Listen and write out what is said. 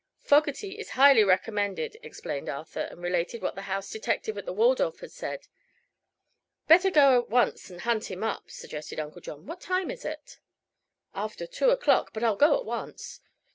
"Fogerty is highly recommended," explained Arthur, and related what the house detective of the Waldorf had said. "Better go at once and hunt him up," suggested Uncle John. "What time is it?" "After two o'clock. But I'll go at once."